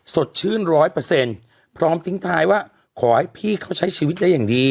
สดชื่นร้อยเปอร์เซ็นต์พร้อมทิ้งท้ายว่าขอให้พี่เขาใช้ชีวิตได้อย่างดี